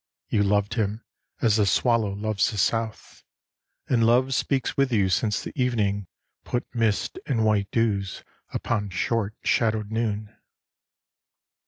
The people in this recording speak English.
You loved him as the swallow loves the South, And Love speaks with you since the evening put Mist and white dews upon short shadowed noon."